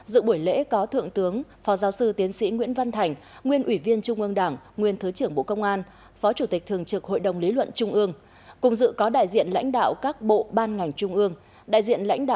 dự buổi lễ có thượng tướng phó giáo sư tiến sĩ nguyễn văn thành nguyên ủy viên trung ương đảng nguyên thứ trưởng bộ công an phó chủ tịch thường trực hội đồng lý luận trung ương cùng dự có đại diện lãnh đạo các bộ ban ngành trung ương